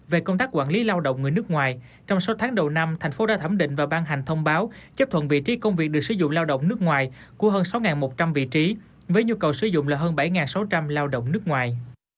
về công tác quản lý lao động người nước ngoài trong sáu tháng đầu năm thành phố đã thẩm định và ban hành thông báo chấp thuận vị trí công việc được sử dụng lao động nước ngoài của hơn sáu một trăm linh vị trí với nhu cầu sử dụng là hơn bảy sáu trăm linh lao động nước ngoài